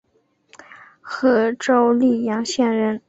和州历阳县人。